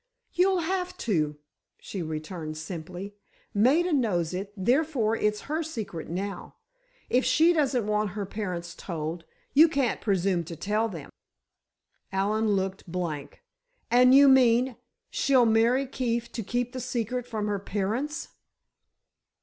"You'll have to," she returned, simply. "Maida knows it, therefore it's her secret now. If she doesn't want her parents told—you can't presume to tell them!" Allen looked blank. "And you mean, she'd marry Keefe, to keep the secret from her parents?"